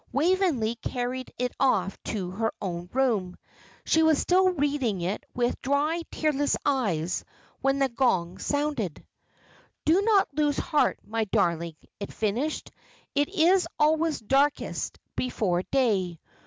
Waveney carried it off to her own room. She was still reading it with dry, tearless eyes when the gong sounded. "Do not lose heart, my darling," it finished. "It is always darkest before day.